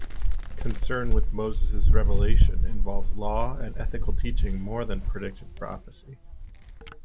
Concern with Moses' revelation involves law and ethical teaching more than predictive prophecy.